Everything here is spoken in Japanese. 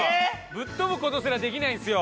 ぶっとぶことすらできないんすよ。